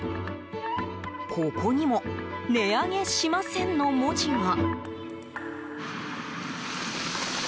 ここにも「値上げしません」の文字が。